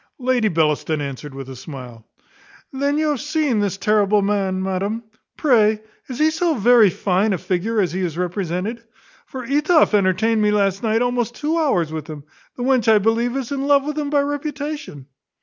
Lady Bellaston answered with a smile, "Then you have seen this terrible man, madam; pray, is he so very fine a figure as he is represented? for Etoff entertained me last night almost two hours with him. The wench I believe is in love with him by reputation."